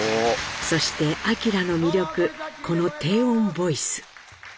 そして明の魅力この低音ボイス。